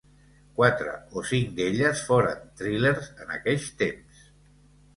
Quatre o cinc d'elles foren thrillers en aqueix temps.